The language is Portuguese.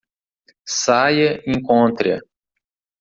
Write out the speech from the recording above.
Saia e encontre-a!